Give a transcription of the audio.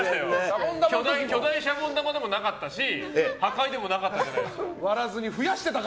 巨大シャボン玉でもなかったし破壊でもなかったじゃないですか。